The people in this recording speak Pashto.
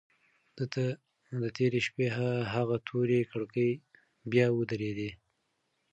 ده ته د تېرې شپې هغه تورې کړکۍ بیا ودرېدې.